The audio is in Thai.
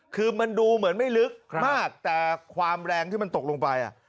คือมันดูเหมือนไม่ลึกมากแต่ความแรงที่มันตกลงไป